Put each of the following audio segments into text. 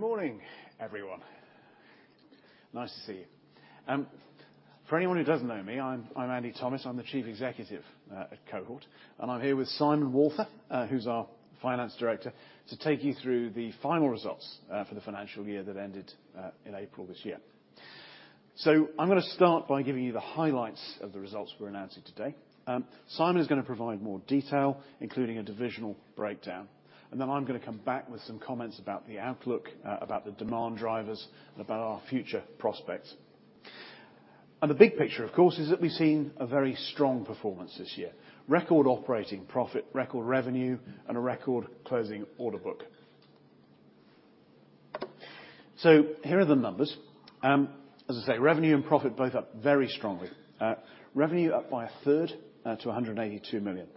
Good morning, everyone. Nice to see you. For anyone who doesn't know me, I'm Andrew Thomis. I'm the Chief Executive at Cohort, and I'm here with Simon Walther, who's our Finance Director, to take you through the final results for the financial year that ended in April this year. I'm gonna start by giving you the highlights of the results we're announcing today. Simon is gonna provide more detail, including a divisional breakdown, and then I'm gonna come back with some comments about the outlook, about the demand drivers, and about our future prospects. The big picture, of course, is that we've seen a very strong performance this year. Record operating profit, record revenue, and a record closing order book. Here are the numbers. As I say, revenue and profit both up very strongly. Revenue up by a third to 182 million.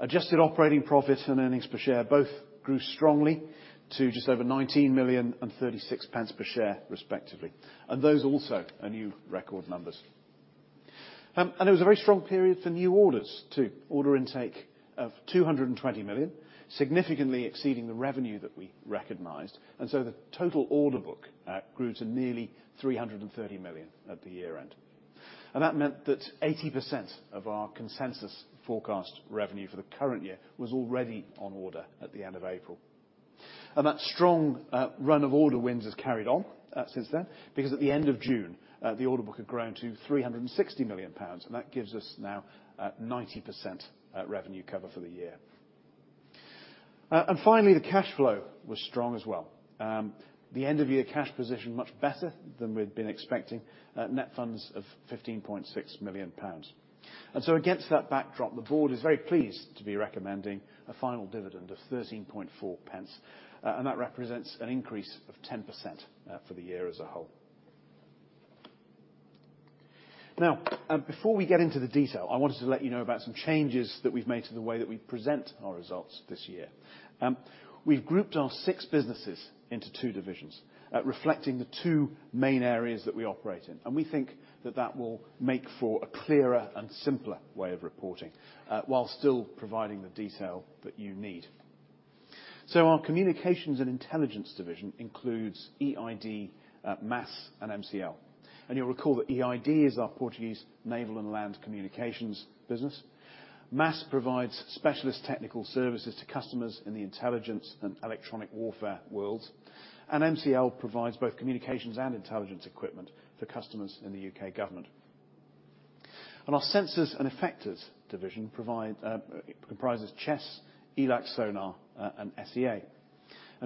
Adjusted operating profit and earnings per share both grew strongly to just over 19 million and 0.36 per share, respectively. Those also are new record numbers. It was a very strong period for new orders, too. Order intake of 220 million, significantly exceeding the revenue that we recognized. The total order book grew to nearly 330 million at the year-end. That meant that 80% of our consensus forecast revenue for the current year was already on order at the end of April. That strong run of order wins has carried on since then, because at the end of June, the order book had grown to 360 million pounds, and that gives us now 90% revenue cover for the year. Finally, the cash flow was strong as well. The end-of-year cash position much better than we'd been expecting, net funds of 15.6 million pounds. Against that backdrop, the board is very pleased to be recommending a final dividend of 0.134, and that represents an increase of 10% for the year as a whole. Now, before we get into the detail, I wanted to let you know about some changes that we've made to the way that we present our results this year. We've grouped our six businesses into two divisions, reflecting the two main areas that we operate in, and we think that that will make for a clearer and simpler way of reporting, while still providing the detail that you need. Our Communications and Intelligence division includes EID, MASS, and MCL. You'll recall that EID is our Portuguese naval and land communications business. MASS provides specialist technical services to customers in the intelligence and Electronic Warfare worlds. MCL provides both communications and intelligence equipment for customers in the U.K. government. Our Sensors and Effectors division comprises CHESS, ELAC SONAR, and SEA.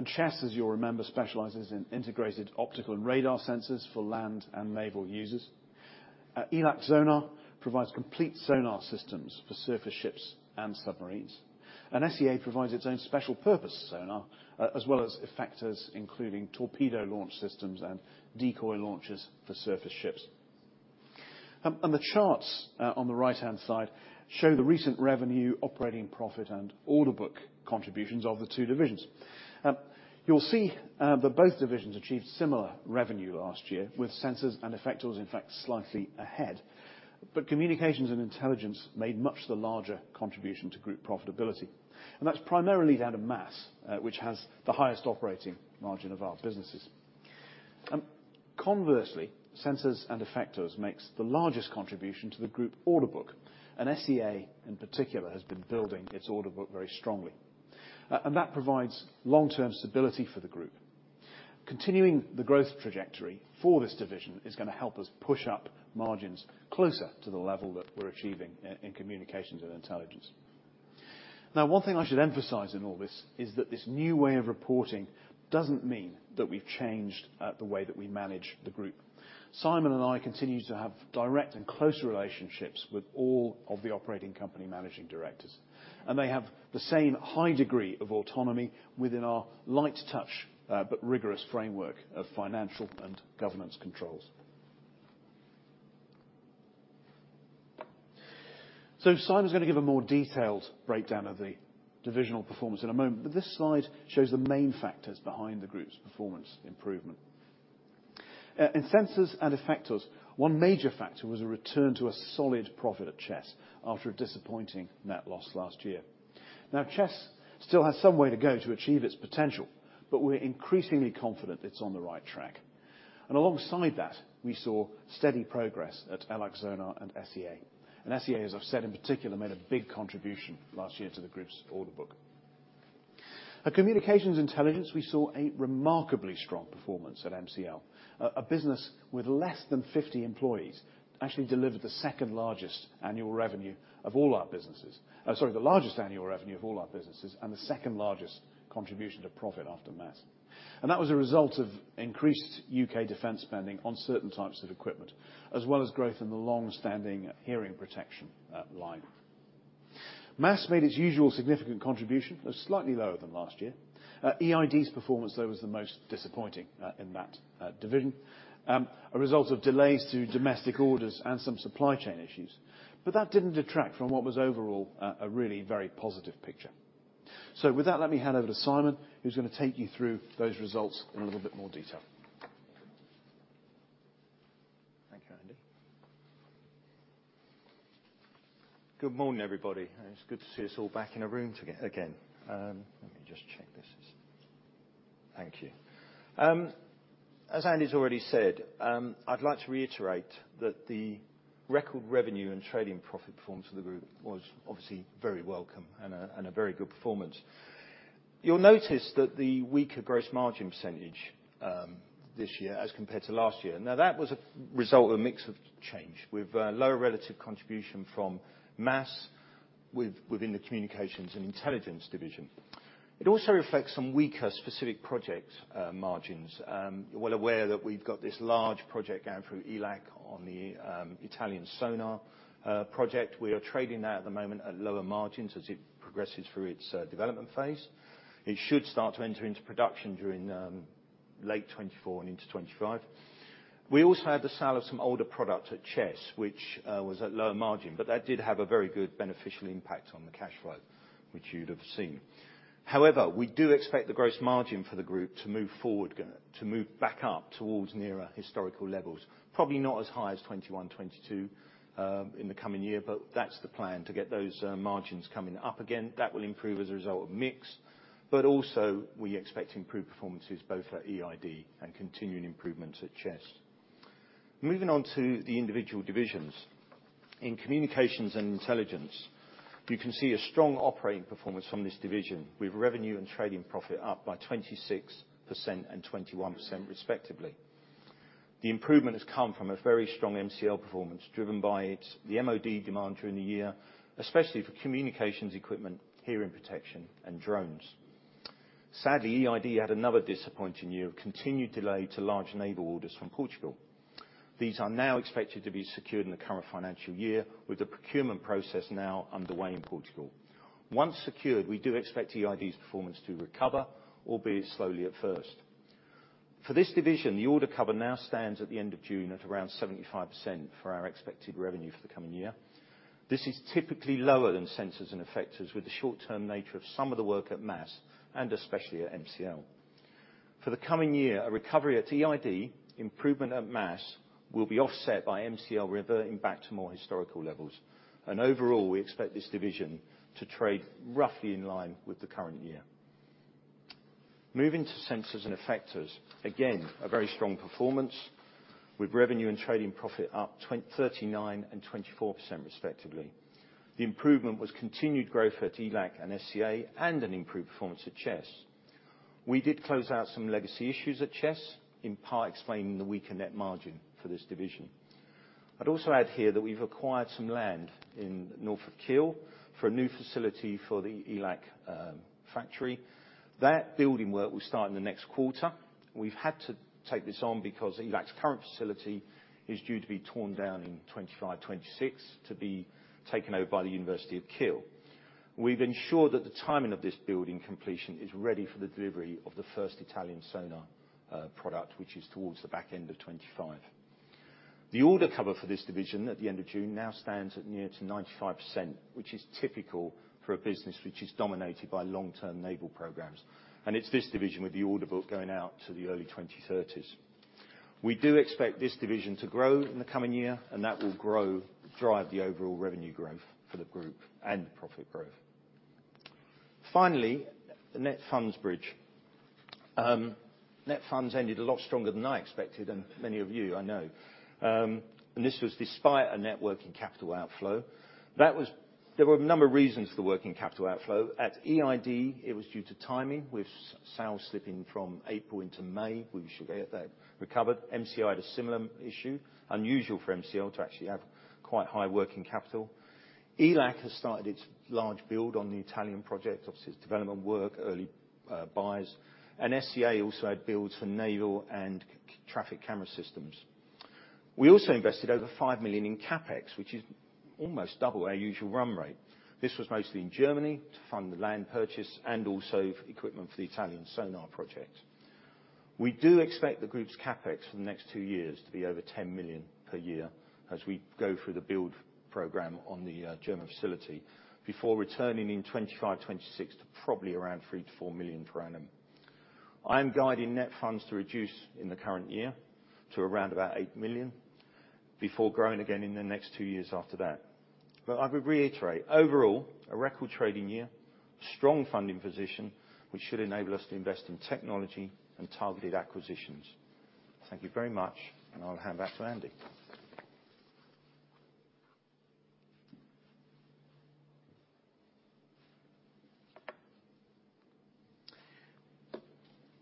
CHESS, as you'll remember, specializes in integrated optical and radar sensors for land and naval users. ELAC SONAR provides complete sonar systems for surface ships and submarines. SEA provides its own special-purpose sonar, as well as effectors, including torpedo launch systems and decoy launchers for surface ships. The charts on the right-hand side show the recent revenue, operating profit, and order book contributions of the two divisions. You'll see that both divisions achieved similar revenue last year, with Sensors and Effectors, in fact, slightly ahead. Communications and Intelligence made much the larger contribution to group profitability, and that's primarily down to MASS, which has the highest operating margin of our businesses. Conversely, Sensors and Effectors makes the largest contribution to the group order book, and SEA, in particular, has been building its order book very strongly. That provides long-term stability for the group. Continuing the growth trajectory for this division is gonna help us push up margins closer to the level that we're achieving in Communications and Intelligence. One thing I should emphasize in all this, is that this new way of reporting doesn't mean that we've changed the way that we manage the group. Simon and I continue to have direct and close relationships with all of the operating company managing directors, and they have the same high degree of autonomy within our light touch, but rigorous framework of financial and governance controls. Simon's gonna give a more detailed breakdown of the divisional performance in a moment, but this slide shows the main factors behind the group's performance improvement. In Sensors and Effectors, one major factor was a return to a solid profit at CHESS after a disappointing net loss last year. CHESS still has some way to go to achieve its potential, but we're increasingly confident it's on the right track. Alongside that, we saw steady progress at ELAC SONAR and SEA. SEA, as I've said, in particular, made a big contribution last year to the group's order book. At Communications and Intelligence, we saw a remarkably strong performance at MCL. A business with less than 50 employees actually delivered the second-largest annual revenue of all our businesses. Sorry, the largest annual revenue of all our businesses, and the second-largest contribution to profit after MASS. That was a result of increased U.K. defense spending on certain types of equipment, as well as growth in the long-standing hearing protection line. MASS made its usual significant contribution, though slightly lower than last year. EID's performance, though, was the most disappointing, in that division, a result of delays to domestic orders and some supply chain issues. That didn't detract from what was overall, a really very positive picture. With that, let me hand over to Simon, who's gonna take you through those results in a little bit more detail. Thank you, Andy. Good morning, everybody, and it's good to see us all back in a room again. Let me just check this. Thank you. As Andy's already said, I'd like to reiterate that the record revenue and trading profit performance of the group was obviously very welcome and a very good performance. You'll notice that the weaker gross margin percentage this year as compared to last year. That was a result of a mix of change, with lower relative contribution from MASS within the Communications and Intelligence division. It also reflects some weaker specific project margins. You're well aware that we've got this large project going through ELAC on the Italian sonar project. We are trading that at the moment at lower margins as it progresses through its development phase. It should start to enter into production during late 2024 and into 2025. We also had the sale of some older product at CHESS, which was at lower margin, but that did have a very good beneficial impact on the cash flow, which you'd have seen. We do expect the gross margin for the group to move forward, To move back up towards nearer historical levels. Probably not as high as 2021, 2022, in the coming year, but that's the plan, to get those margins coming up again. That will improve as a result of mix, but also, we expect improved performances both at EID and continuing improvements at CHESS. Moving on to the individual divisions. In Communications and Intelligence, you can see a strong operating performance from this division, with revenue and trading profit up by 26% and 21% respectively. The improvement has come from a very strong MCL performance, driven by the MOD demand during the year, especially for communications equipment, hearing protection, and drones. Sadly, EID had another disappointing year of continued delay to large naval orders from Portugal. These are now expected to be secured in the current financial year, with the procurement process now underway in Portugal. Once secured, we do expect EID's performance to recover, albeit slowly at first. For this division, the order cover now stands at the end of June at around 75% for our expected revenue for the coming year. This is typically lower than Sensors and Effectors, with the short-term nature of some of the work at MASS and especially at MCL. For the coming year, a recovery at EID, improvement at MASS, will be offset by MCL reverting back to more historical levels. Overall, we expect this division to trade roughly in line with the current year. Moving to Sensors and Effectors, again, a very strong performance, with revenue and trading profit up 39% and 24% respectively. The improvement was continued growth at ELAC and SEA. An improved performance at CHESS. We did close out some legacy issues at CHESS, in part explaining the weaker net margin for this division. I'd also add here that we've acquired some land in North of Kiel for a new facility for the ELAC factory. That building work will start in the next quarter. We've had to take this on because ELAC's current facility is due to be torn down in 2025, 2026, to be taken over by Kiel University. We've ensured that the timing of this building completion is ready for the delivery of the first Italian sonar product, which is towards the back end of 2025. The order cover for this division at the end of June now stands at near to 95%, which is typical for a business which is dominated by long-term naval programs, and it's this division with the order book going out to the early 2030s. We do expect this division to grow in the coming year, and that will drive the overall revenue growth for the group and profit growth. Finally, the net funds bridge. Net funds ended a lot stronger than I expected, and many of you, I know. This was despite a net working capital outflow. There were a number of reasons for the working capital outflow. At EID, it was due to timing, with sales slipping from April into May. We should get that recovered. MCL had a similar issue, unusual for MCL to actually have quite high working capital. ELAC has started its large build on the Italian project, obviously, its development work, early buys, and SEA also had builds for naval and traffic camera systems. We also invested over 5 million in CapEx, which is almost double our usual run rate. This was mostly in Germany to fund the land purchase and also equipment for the Italian sonar project. We do expect the group's CapEx for the next 2 years to be over 10 million per year as we go through the build program on the German facility, before returning in 2025, 2026 to probably around 3 million-4 million per annum. I am guiding net funds to reduce in the current year to around about 8 million, before growing again in the next 2 years after that. I would reiterate, overall, a record trading year, strong funding position, which should enable us to invest in technology and targeted acquisitions. Thank you very much, and I'll hand back to Andy.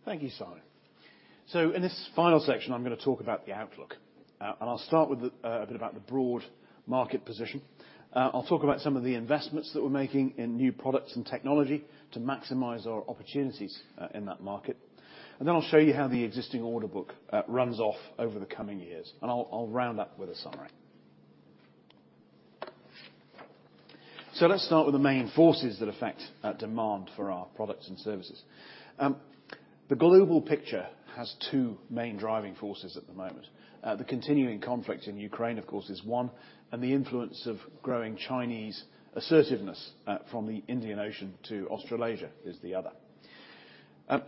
Thank you, Simon. In this final section, I'm gonna talk about the outlook. I'll start with a bit about the broad market position. I'll talk about some of the investments that we're making in new products and technology to maximize our opportunities in that market. Then I'll show you how the existing order book runs off over the coming years, and I'll round up with a summary. Let's start with the main forces that affect demand for our products and services. The global picture has two main driving forces at the moment. The continuing conflict in Ukraine, of course, is one, and the influence of growing Chinese assertiveness from the Indian Ocean to Australasia is the other.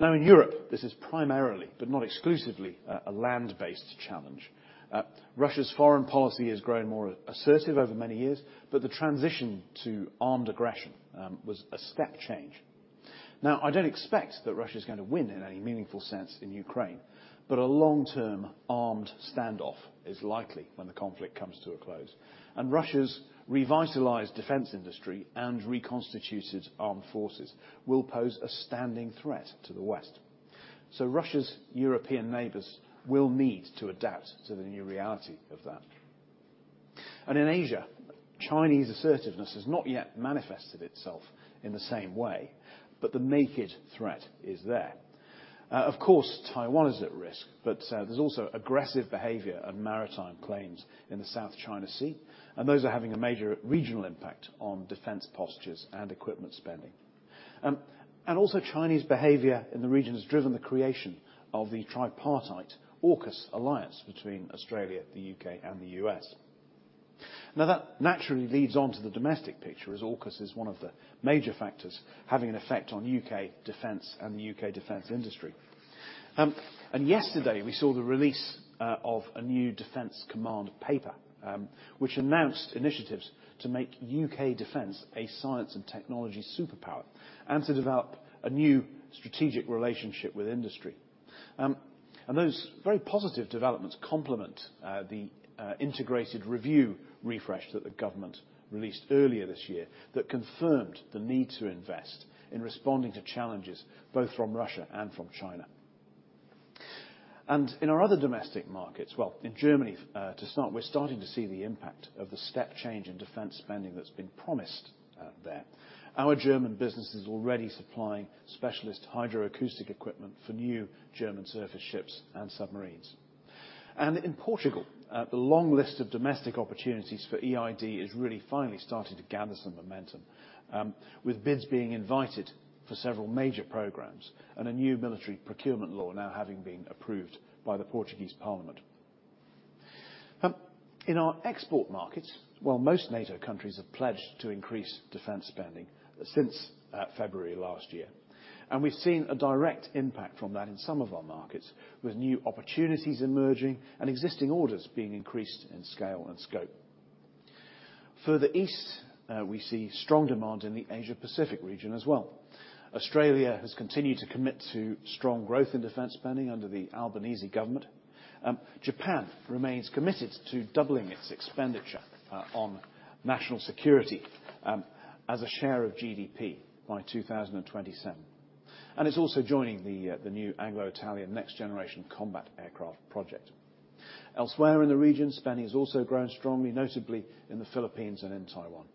Now in Europe, this is primarily, but not exclusively, a land-based challenge. Russia's foreign policy has grown more assertive over many years, but the transition to armed aggression was a step change. I don't expect that Russia's gonna win in any meaningful sense in Ukraine, but a long-term armed standoff is likely when the conflict comes to a close, and Russia's revitalized defense industry and reconstituted armed forces will pose a standing threat to the West. Russia's European neighbors will need to adapt to the new reality of that. In Asia, Chinese assertiveness has not yet manifested itself in the same way, but the naked threat is there. Of course, Taiwan is at risk, but there's also aggressive behavior and maritime claims in the South China Sea, those are having a major regional impact on defense postures and equipment spending. Also Chinese behavior in the region has driven the creation of the tripartite AUKUS alliance between Australia, the U.K., and the U.S. That naturally leads on to the domestic picture, as AUKUS is one of the major factors having an effect on U.K. Defence and the UK Defence industry. Yesterday, we saw the release of a new Defence Command Paper, which announced initiatives to make U.K. Defence a science and technology superpower, and to develop a new strategic relationship with industry. Those very positive developments complement the Integrated Review Refresh that the government released earlier this year, that confirmed the need to invest in responding to challenges, both from Russia and from China. In our other domestic markets, well, in Germany, to start, we're starting to see the impact of the step change in defense spending that's been promised there. Our German business is already supplying specialist hydroacoustic equipment for new German surface ships and submarines. In Portugal, the long list of domestic opportunities for EID is really finally starting to gather some momentum, with bids being invited for several major programs, and a new military procurement law now having been approved by the Portuguese parliament. In our export markets, while most NATO countries have pledged to increase defense spending since February last year, we've seen a direct impact from that in some of our markets, with new opportunities emerging and existing orders being increased in scale and scope. Further east, we see strong demand in the Asia Pacific region as well. Australia has continued to commit to strong growth in defense spending under the Albanese government. Japan remains committed to doubling its expenditure on national security as a share of GDP by 2027. It's also joining the new Anglo-Italian next generation combat aircraft project. Elsewhere in the region, spending has also grown strongly, notably in the Philippines and in Taiwan.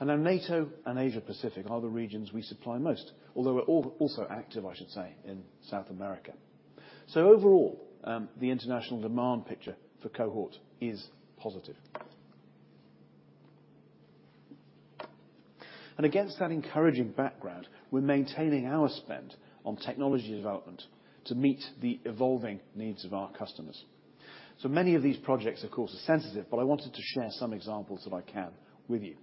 Now NATO and Asia Pacific are the regions we supply most, although we're also active, I should say, in South America. Overall, the international demand picture for Cohort is positive. Against that encouraging background, we're maintaining our spend on technology development to meet the evolving needs of our customers. Many of these projects, of course, are sensitive, but I wanted to share some examples that I can with you.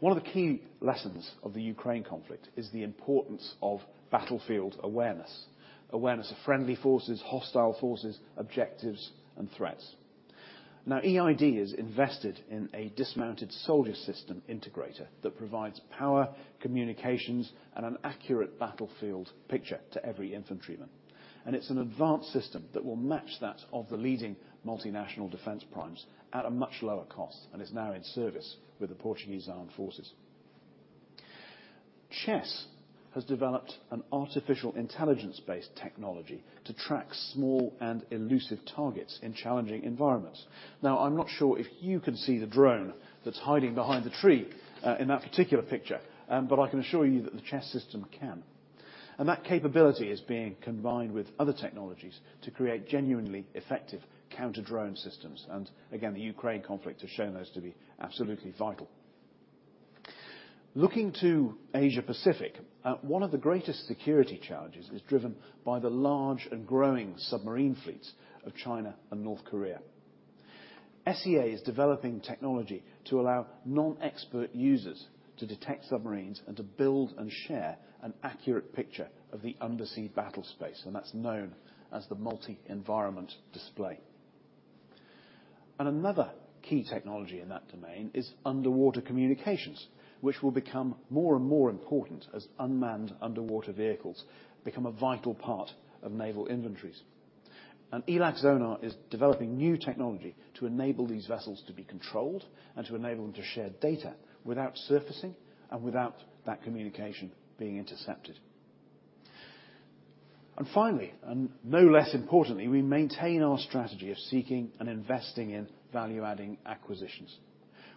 One of the key lessons of the Ukraine conflict is the importance of battlefield awareness of friendly forces, hostile forces, objectives, and threats. EID is invested in a Dismounted Soldier System Integrator that provides power, communications, and an accurate battlefield picture to every infantryman. It's an advanced system that will match that of the leading multinational defense primes at a much lower cost, and it's now in service with the Portuguese Armed Forces. CHESS has developed an artificial intelligence-based technology to track small and elusive targets in challenging environments. I'm not sure if you can see the drone that's hiding behind the tree, in that particular picture, but I can assure you that the CHESS system can. That capability is being combined with other technologies to create genuinely effective counter-drone systems. Again, the Ukraine conflict has shown those to be absolutely vital. Looking to Asia Pacific, one of the greatest security challenges is driven by the large and growing submarine fleets of China and North Korea. SEA is developing technology to allow non-expert users to detect submarines and to build and share an accurate picture of the undersea battlespace. That's known as the Multi Environment Display. Another key technology in that domain is underwater communications, which will become more and more important as unmanned underwater vehicles become a vital part of naval inventories. ELAC SONAR is developing new technology to enable these vessels to be controlled and to enable them to share data without surfacing and without that communication being intercepted. Finally, and no less importantly, we maintain our strategy of seeking and investing in value-adding acquisitions.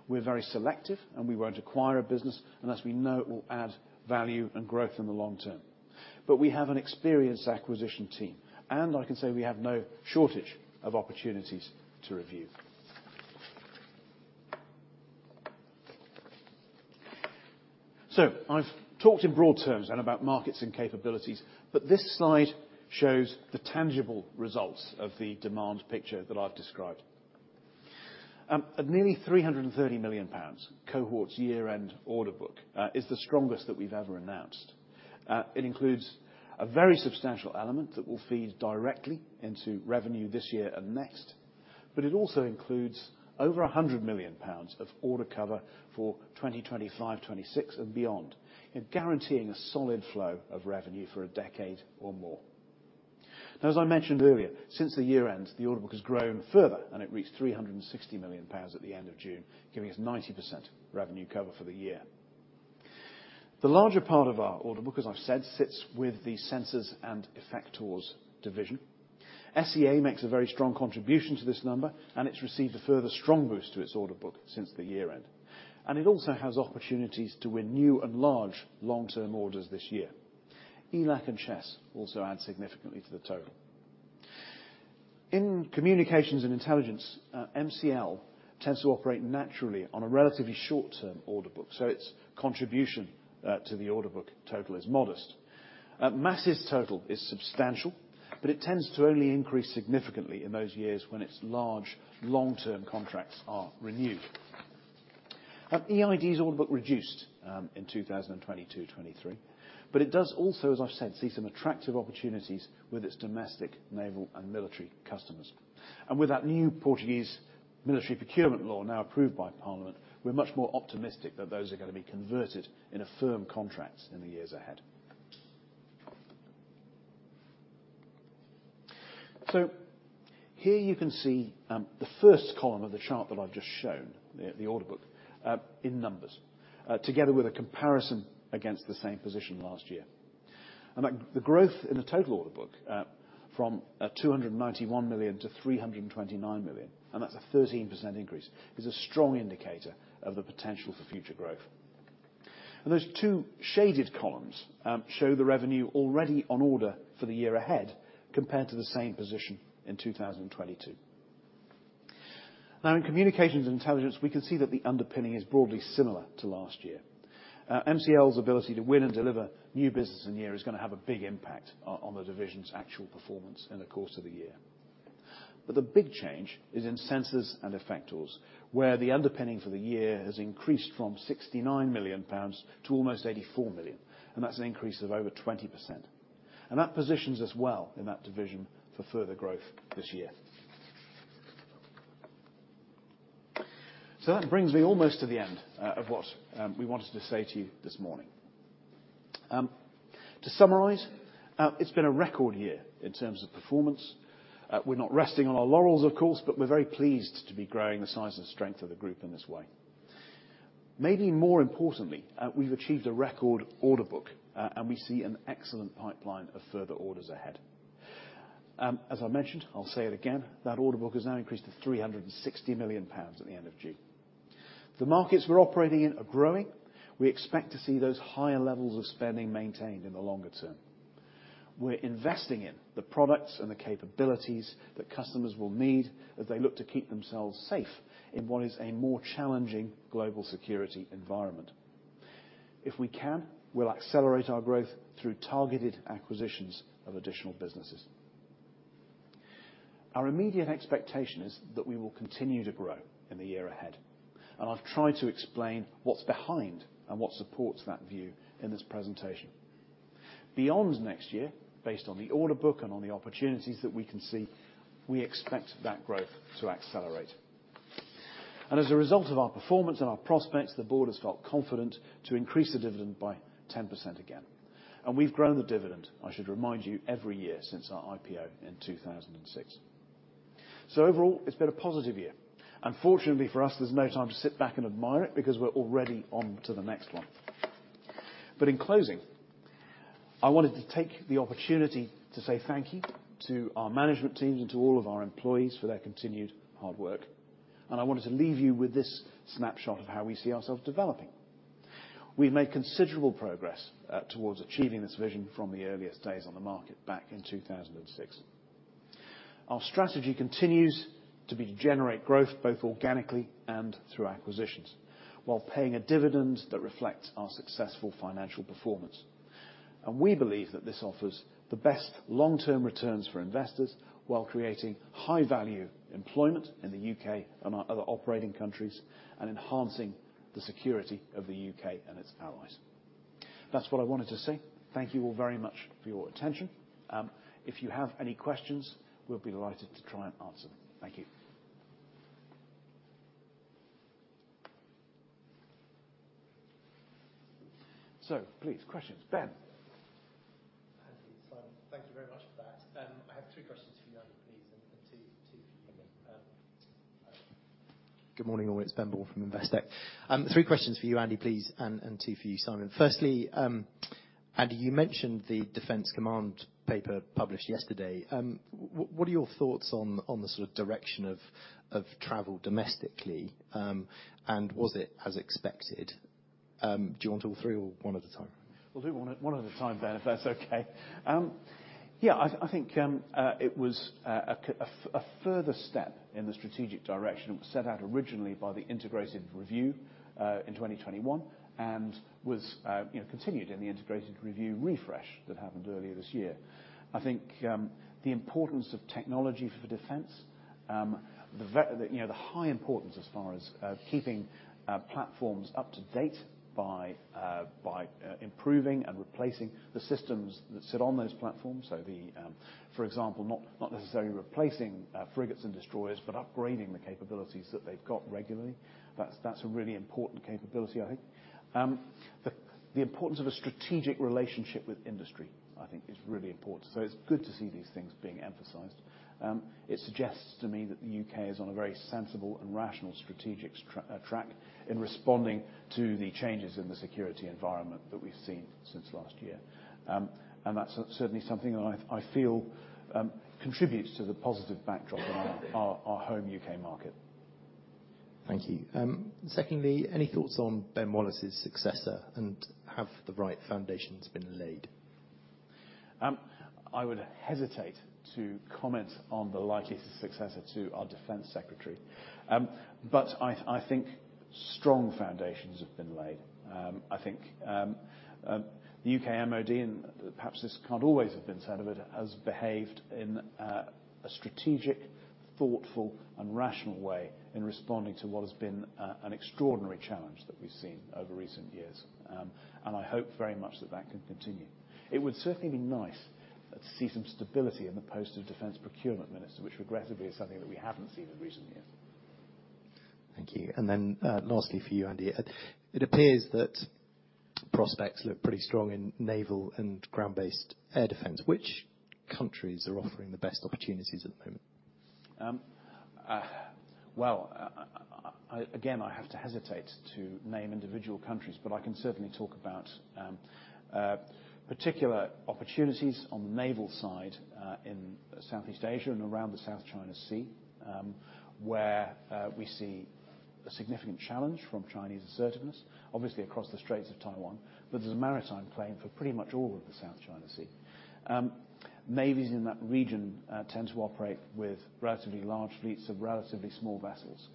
We're very selective, and we won't acquire a business unless we know it will add value and growth in the long term. We have an experienced acquisition team, and I can say we have no shortage of opportunities to review. I've talked in broad terms and about markets and capabilities, but this slide shows the tangible results of the demand picture that I've described. At nearly 330 million pounds, Cohort's year-end order book is the strongest that we've ever announced. It includes a very substantial element that will feed directly into revenue this year and next, but it also includes over 100 million pounds of order cover for 2025, 2026, and beyond, and guaranteeing a solid flow of revenue for a decade or more. As I mentioned earlier, since the year end, the order book has grown further, and it reached 360 million pounds at the end of June, giving us 90% revenue cover for the year. The larger part of our order book, as I've said, sits with the Sensors and Effectors division. SEA makes a very strong contribution to this number, and it's received a further strong boost to its order book since the year end. It also has opportunities to win new and large long-term orders this year. ELAC and CHESS also add significantly to the total. In Communications and Intelligence, MCL tends to operate naturally on a relatively short-term order book, so its contribution to the order book total is modest. MASS's total is substantial, but it tends to only increase significantly in those years when its large, long-term contracts are renewed. EID's order book reduced in 2022, 2023, but it does also, as I've said, see some attractive opportunities with its domestic, naval, and military customers. With that new Portuguese military procurement law now approved by Parliament, we're much more optimistic that those are gonna be converted into firm contracts in the years ahead. Here you can see the first column of the chart that I've just shown, the order book in numbers, together with a comparison against the same position last year. The growth in the total order book from 291 million to 329 million, a 13% increase, is a strong indicator of the potential for future growth. Those two shaded columns show the revenue already on order for the year ahead, compared to the same position in 2022. In Communications and Intelligence, we can see that the underpinning is broadly similar to last year. MCL's ability to win and deliver new business in the year is gonna have a big impact on the division's actual performance in the course of the year. The big change is in Sensors and Effectors, where the underpinning for the year has increased from 69 million pounds to almost 84 million, and that's an increase of over 20%. That positions us well in that division for further growth this year. That brings me almost to the end of what we wanted to say to you this morning. To summarize, it's been a record year in terms of performance. We're not resting on our laurels, of course, but we're very pleased to be growing the size and strength of the group in this way. Maybe more importantly, we've achieved a record order book, and we see an excellent pipeline of further orders ahead. As I mentioned, I'll say it again, that order book has now increased to 360 million pounds at the end of June. The markets we're operating in are growing. We expect to see those higher levels of spending maintained in the longer term. We're investing in the products and the capabilities that customers will need as they look to keep themselves safe in what is a more challenging global security environment. If we can, we'll accelerate our growth through targeted acquisitions of additional businesses. Our immediate expectation is that we will continue to grow in the year ahead, and I've tried to explain what's behind and what supports that view in this presentation. Beyond next year, based on the order book and on the opportunities that we can see, we expect that growth to accelerate. As a result of our performance and our prospects, the board has felt confident to increase the dividend by 10% again, and we've grown the dividend, I should remind you, every year since our IPO in 2006. Overall, it's been a positive year. Unfortunately for us, there's no time to sit back and admire it, because we're already on to the next one. In closing, I wanted to take the opportunity to say thank you to our management teams and to all of our employees for their continued hard work, and I wanted to leave you with this snapshot of how we see ourselves developing. We've made considerable progress, towards achieving this vision from the earliest days on the market back in 2006. Our strategy continues to be to generate growth, both organically and through acquisitions, while paying a dividend that reflects our successful financial performance. We believe that this offers the best long-term returns for investors, while creating high-value employment in the U.K. and our other operating countries, and enhancing the security of the U.K. and its allies. That's what I wanted to say. Thank you all very much for your attention. If you have any questions, we'll be delighted to try and answer them. Thank you. Please, questions. Ben? .Thank you very much for that. I have two questions for you, Andy, please, and two for you, Simon. Good morning, all. It's Ben Bourne from Investec. Three questions for you, Andy, please, and two for you, Simon. Firstly, Andy, you mentioned the Defence Command Paper published yesterday. What are your thoughts on the sort of direction of travel domestically? Was it as expected? Do you want all three or one at a time? We'll do one at a time then, if that's okay? Yeah, I think it was a further step in the strategic direction that was set out originally by the Integrated Review in 2021, and was, you know, continued in the Integrated Review Refresh that happened earlier this year. I think the importance of technology for defense, the, you know, the high importance as far as keeping platforms up to date by improving and replacing the systems that sit on those platforms. So, for example, not necessarily replacing frigates and destroyers, but upgrading the capabilities that they've got regularly. That's, that's a really important capability, I think. The, the importance of a strategic relationship with industry, I think is really important, so it's good to see these things being emphasized. It suggests to me that the U.K. is on a very sensible and rational strategic track in responding to the changes in the security environment that we've seen since last year. That's certainly something I feel contributes to the positive backdrop of our, our home U.K. market. Thank you. Secondly, any thoughts on Grant Shapps' successor, and have the right foundations been laid? I would hesitate to comment on the likely successor to our defense secretary. I think strong foundations have been laid. I think the U.K. MOD, and perhaps this can't always have been said of it, has behaved in a strategic, thoughtful, and rational way in responding to what has been an extraordinary challenge that we've seen over recent years. I hope very much that that can continue. It would certainly be nice to see some stability in the post of defense procurement minister, which regrettably, is something that we haven't seen in recent years. Thank you. Then, lastly for you, Andy, it appears that prospects look pretty strong in naval and ground-based air defense. Which countries are offering the best opportunities at the moment? Well, again, I have to hesitate to name individual countries, but I can certainly talk about particular opportunities on the naval side in Southeast Asia and around the South China Sea, where we see a significant challenge from Chinese assertiveness, obviously, across the Straits of Taiwan, but there's a maritime plane for pretty much all of the South China Sea. Navies in that region, tend to operate with relatively large fleets of relatively small vessels.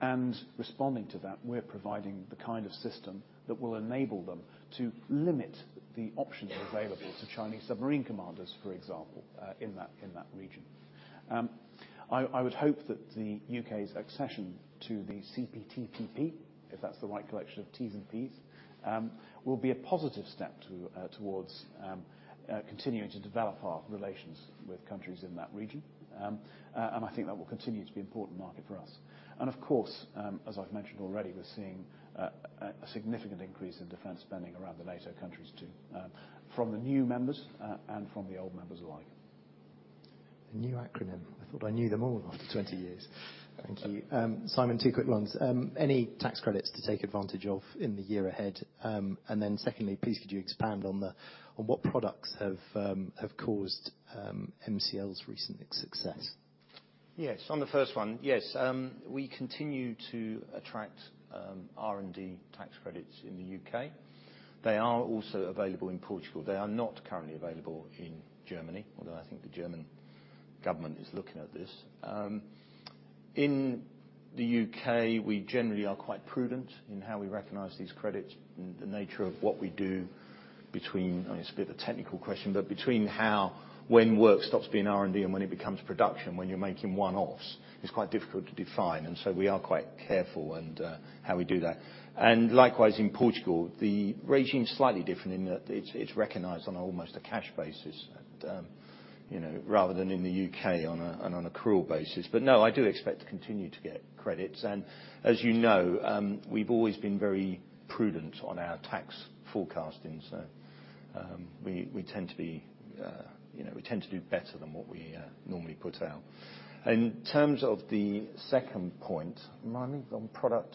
And responding to that, we're providing the kind of system that will enable them to limit the options available to Chinese submarine commanders, for example, in that region. I would hope that the U.K.'s accession to the CPTPP, if that's the right collection of T's and P's, will be a positive step towards continuing to develop our relations with countries in that region. I think that will continue to be an important market for us. Of course, as I've mentioned already, we're seeing a significant increase in defense spending around the NATO countries, too, from the new members and from the old members alike. A new acronym. I thought I knew them all after 20 years. Thank you. Simon, two quick ones. Any tax credits to take advantage of in the year ahead? Secondly, please, could you expand on what products have caused MCL's recent success? Yes, on the first one, yes, we continue to attract R&D tax credits in the U.K. They are also available in Portugal. They are not currently available in Germany, although I think the German government is looking at this. In the U.K., we generally are quite prudent in how we recognize these credits and the nature of what we do. I mean, it's a bit of a technical question, but between how when work stops being R&D and when it becomes production, when you're making one-offs, it's quite difficult to define, and so we are quite careful in how we do that. Likewise, in Portugal, the regime is slightly different in that it's recognized on almost a cash basis and, you know, rather than in the U.K. on an accrual basis. No, I do expect to continue to get credits. As you know, we've always been very prudent on our tax forecasting. We tend to be, you know, we tend to do better than what we normally put out. In terms of the second point, [Marty], on product?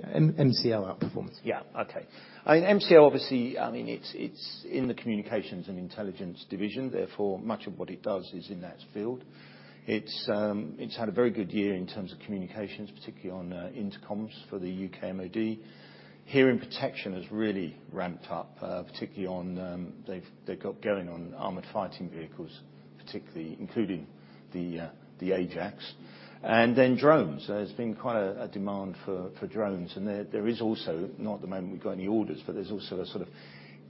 Yeah, MCL outperformance. Okay. I mean, MCL, obviously, I mean, it's in the Communications and Intelligence division, therefore, much of what it does is in that field. It's had a very good year in terms of communications, particularly on intercoms for the U.K. MOD. Hearing protection has really ramped up, particularly on they've got going on armored fighting vehicles, particularly including the Ajax. Drones. There's been quite a demand for drones, and there is also, not at the moment we've got any orders, but there's also a, sort of,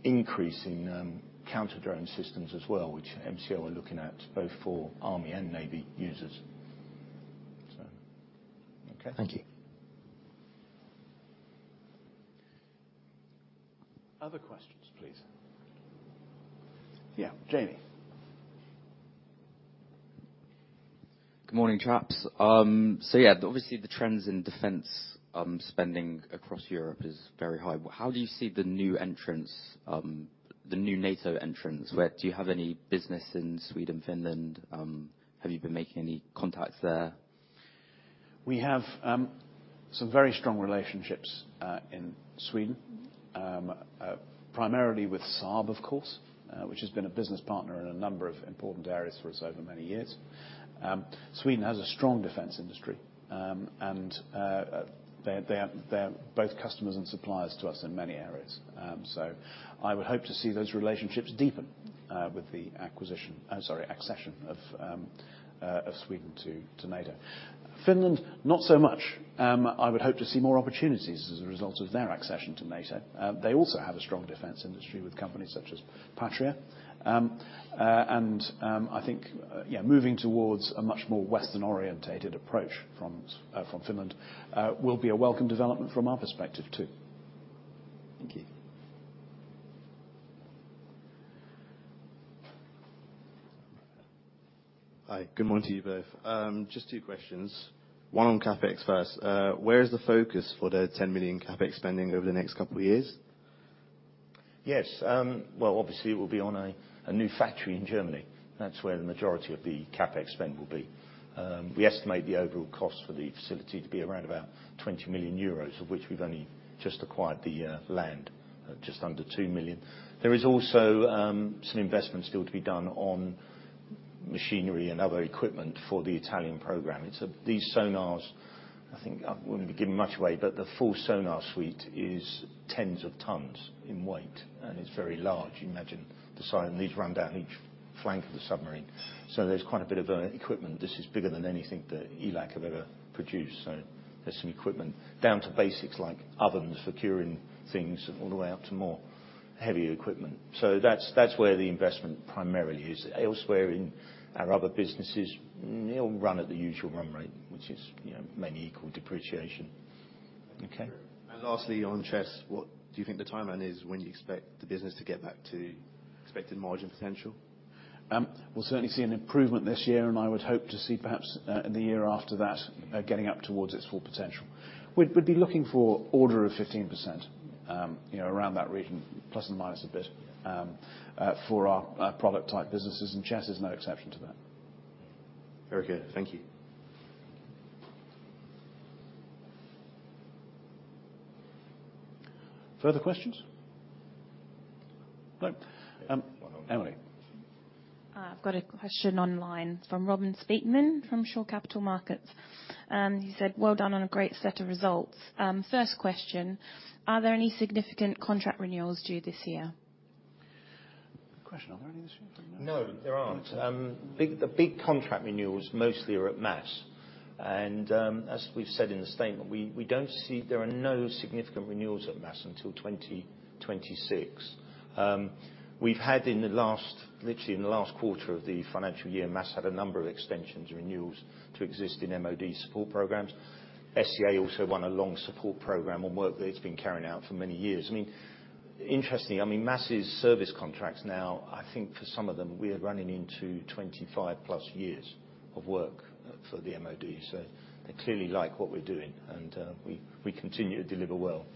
increase in counter-drone systems as well, which MCL are looking at both for army and navy users. Okay. Thank you. Other questions, please? Yeah, Jamie. Good morning, chaps. Yeah, obviously, the trends in defense spending across Europe is very high. How do you see the new entrants, the new NATO entrants? Do you have any business in Sweden, Finland? Have you been making any contacts there? We have, some very strong relationships, in Sweden. primarily with Saab, of course, which has been a business partner in a number of important areas for us over many years. Sweden has a strong defense industry, and they're both customers and suppliers to us in many areas. I would hope to see those relationships deepen, with the accession of Sweden to NATO. Finland, not so much. I would hope to see more opportunities as a result of their accession to NATO. They also have a strong defense industry with companies such as Patria. I think, yeah, moving towards a much more Western-oriented approach from Finland, will be a welcome development from our perspective, too. Thank you. Hi, good morning to you both. Just two questions. One on CapEx first. Where is the focus for the 10 million CapEx spending over the next couple of years? Yes, well, obviously, it will be on a new factory in Germany. That's where the majority of the CapEx spend will be. We estimate the overall cost for the facility to be around about 20 million euros, of which we've only just acquired the land, at just under 2 million. There is also some investments still to be done on machinery and other equipment for the Italian program. It's these sonars, I think, I wouldn't be giving much away, but the full sonar suite is tens of tons in weight, and it's very large. You can imagine the size, and these run down each flank of the submarine. There's quite a bit of equipment. This is bigger than anything that ELAC have ever produced, so there's some equipment, down to basics like ovens for curing things all the way up to more heavier equipment. That's where the investment primarily is. Elsewhere in our other businesses, they all run at the usual run rate, which is, you know, mainly equal depreciation. Okay? Lastly, on CHESS, what do you think the timeline is when you expect the business to get back to expected margin potential? We'll certainly see an improvement this year, and I would hope to see perhaps, in the year after that, getting up towards its full potential. We'd be looking for order of 15%, you know, around that region, plus or minus a bit, for our product-type businesses, and CHESS is no exception to that. Very good. Thank you. Further questions? No. Emily. I've got a question online from Robin Speakman, from Shore Capital Markets. He said, "Well done on a great set of results. First question, are there any significant contract renewals due this year? Good question. Are there any this year? No, there aren't. Okay. The big contract renewals mostly are at MASS. As we've said in the statement, we don't see there are no significant renewals at MASS until 2026. We've had in the last, literally in the last quarter of the financial year, MASS had a number of extensions, renewals to existing MOD support programs. SEA also won a long support program on work that it's been carrying out for many years. I mean, interestingly, I mean, MASS' service contracts now, I think for some of them, we are running into 25 plus years of work for the MOD. They clearly like what we're doing, and we continue to deliver well.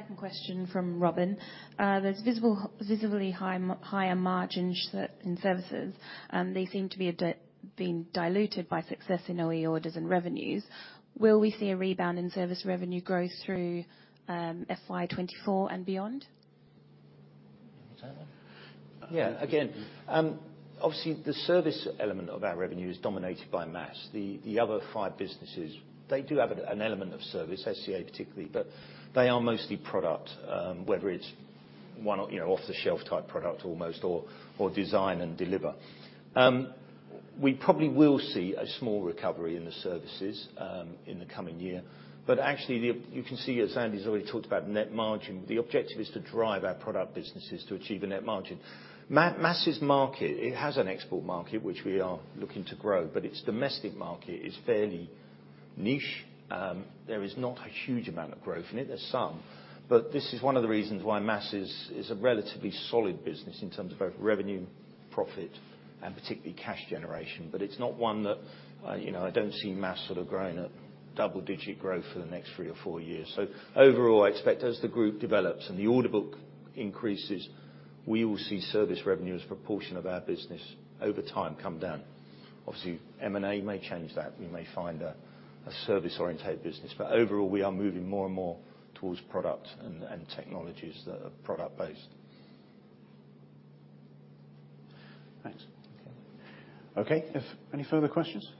Second question from Robin: There's visibly high, higher margins in services, and they seem to be being diluted by success in OE orders and revenues. Will we see a rebound in service revenue growth through FY 2024 and beyond? Simon? Yeah. Obviously, the service element of our revenue is dominated by MASS. The other five businesses, they do have an element of service, SEA particularly, but they are mostly product, whether it's you know, off-the-shelf type product almost, or design and deliver. We probably will see a small recovery in the services in the coming year. You can see, as Andy's already talked about net margin, the objective is to drive our product businesses to achieve a net margin. MASS' market, it has an export market, which we are looking to grow, but its domestic market is fairly niche. There is not a huge amount of growth in it. There's some, but this is one of the reasons why MASS is a relatively solid business in terms of both revenue, profit, and particularly cash generation. It's not one that, you know, I don't see MASS sort of growing at double-digit growth for the next three or four years. Overall, I expect as the group develops and the order book increases, we will see service revenue as a proportion of our business over time come down. Obviously, M&A may change that. We may find a service-orientated business, but overall, we are moving more and more towards product and technologies that are product-based. Thanks. Okay. If any further questions?